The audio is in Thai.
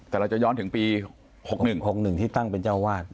แต่เราจะย้อนถึงปี๖๑๖๑ที่ตั้งเป็นเจ้าวาด